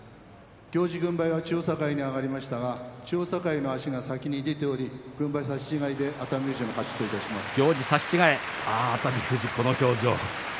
行司軍配は千代栄に上がりましたが千代栄の足が先に出ており軍配差し違えで熱海富士の勝ちといたします。